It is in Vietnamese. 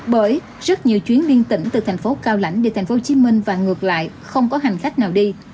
bởi rất nhiều chuyến liên tỉnh từ tp hcm và ngược lại không có hành khách nào đi